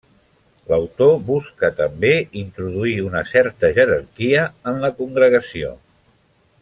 L'autor busca també introduir una certa jerarquia en la congregació.